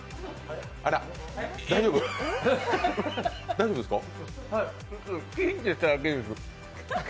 大丈夫ですか？